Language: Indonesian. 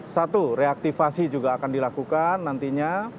satu reaktivasi juga akan dilakukan nantinya